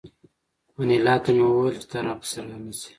انیلا ته مې وویل چې ته را پسې را نشې